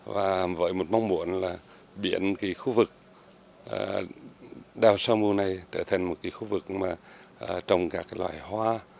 và với một mong muốn là biển khu vực đào sơ mưu này trở thành một khu vực trồng các loại hoa